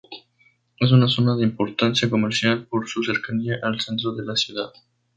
Es una zona de importancia comercial por su cercanía al centro de la ciudad.